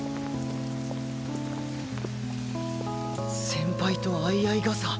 先輩と相合い傘